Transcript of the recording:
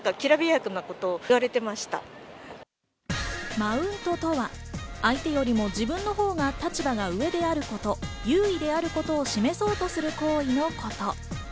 マウントとは、相手よりも自分のほうが立場が上であること、優位であることを示そうとする行為のこと。